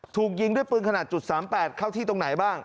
ถูกยิงด้วยปืนขนาด๓๘เข้าที่ตรงไหนบ้าง